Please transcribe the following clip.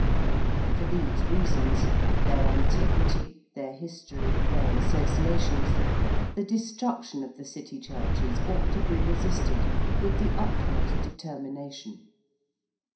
For these reasons their antiquity, their history, their associations the destruction of the City churches ought to be resisted with the utmost determination.